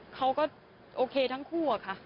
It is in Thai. เขาก็โอเคทั้งคู่อะค่ะ